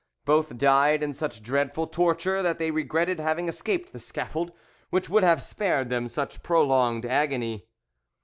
Both died in such dreadful torture that they regretted having escaped the scaffold, which would have spared them such prolonged agony.